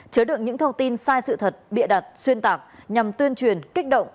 chứa đựng những thông tin sai sự thật bịa đặt xuyên tạc nhằm tuyên truyền kích động